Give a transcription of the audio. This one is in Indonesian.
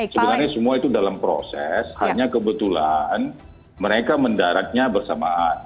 sebenarnya semua itu dalam proses hanya kebetulan mereka mendaratnya bersamaan